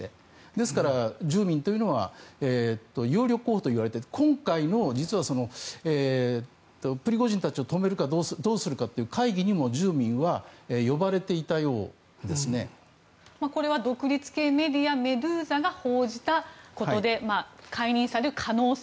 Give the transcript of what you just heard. ですから、ジューミンというのは有力候補といわれていて今回の、実はプリゴジンたちを止めるかどうするかという会議にもジューミンは呼ばれていたようですね。これは独立系メディアメドゥーザが報じたことで解任される可能性。